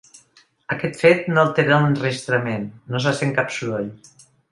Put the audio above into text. Aquest fet no altera l’enregistrament, no se sent cap soroll.